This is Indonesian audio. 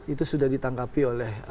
itu sudah ditangkapi oleh